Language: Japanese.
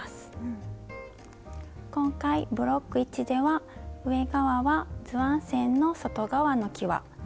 今回ブロック１では上側は図案線の外側のきわ。